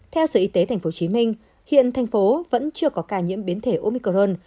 theo sở y tế tp hcm hiện tp hcm vẫn chưa có ca nhiễm biến thể omicron